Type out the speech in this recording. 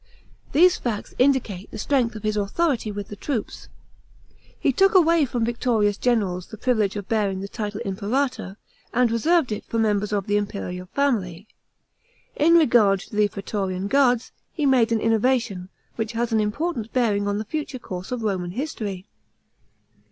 These facts indicate the strength of his authority with the troops. He took away from victorious generals the privilege of bearing the * His usual title is Ti. Ctuar divi J«0u*ti/(»Ztu*> 14r~87 A.D. FINANCES. 191 title imperator, and reserved it for members of the imperial family. In regard to the prastorian guards, he made an innovation, which had an important bearing on the future course of Roman history.